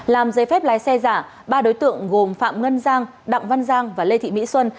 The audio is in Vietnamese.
làm giấy phép lái xe giả ba đối tượng gồm phạm ngân giang đặng văn giang và lê thị mỹ xuân